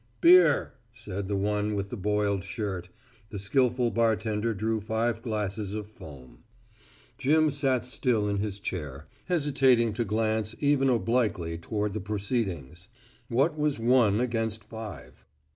"Beer," said the one with the boiled shirt. The skillful bartender drew five glasses of foam. Jim sat still in his chair, hesitating to glance even obliquely toward the proceedings. What was one against five?